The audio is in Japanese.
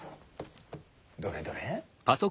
どれどれ。